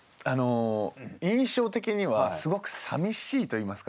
印象的にはすごくさみしいといいますか。